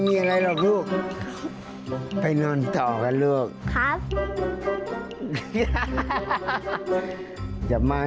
มีอะไรหรอครับพ่อเสียงนักเอกอับโวยวาย